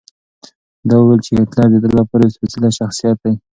ده وویل چې هېټلر د ده لپاره یو سپېڅلی شخصیت دی.